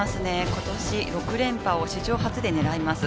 今年６連覇を史上初でねらいます。